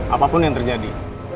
apapun yang terjadi